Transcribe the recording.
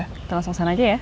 kita langsung sana aja ya